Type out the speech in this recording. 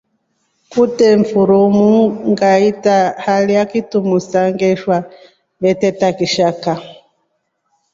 Kute mfiri umu ngaita halya kitumsa ngaishwa veteta kishaka.